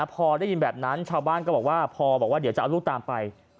พอได้ยินแบบนั้นชาวบ้านก็บอกว่าพอบอกว่าเดี๋ยวจะเอาลูกตามไป